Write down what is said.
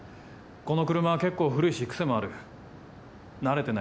この車は結構古いしくせもある。